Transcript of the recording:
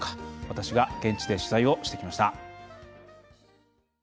私が現地で取材をしてきました。